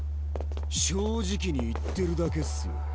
正直に言ってるだけっすよ。